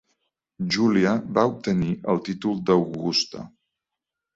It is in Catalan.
Júlia va obtenir el títol d'Augusta.